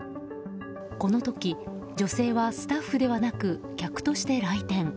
この時女性はスタッフではなく客として来店。